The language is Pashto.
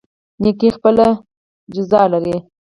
نیکي خپله جزا لري